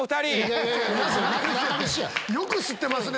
よく知ってますね！